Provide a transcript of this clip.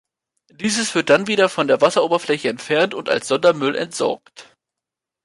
Dieses wird dann wieder von der Wasseroberfläche entfernt und als Sondermüll entsorgt.